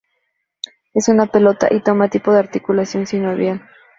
Es una pelota y toma tipo de articulación sinovial.